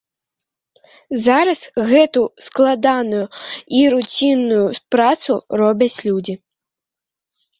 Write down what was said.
Зараз гэтую складаную і руцінную працу робяць людзі.